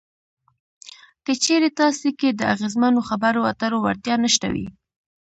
که چېرې تاسې کې د اغیزمنو خبرو اترو وړتیا نشته وي.